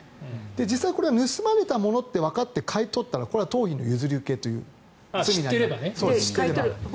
実際これが盗まれたものとわかって買い取ったら盗品の譲り受けという罪になります。